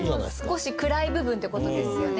少し暗い部分ってことですよね。